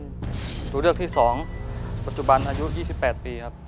ตัวเลือกที่๒ปัจจุบันอายุ๒๘ปีครับ